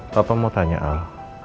papa mau tanya al